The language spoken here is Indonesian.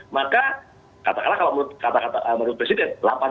maka katakanlah kalau menurut presiden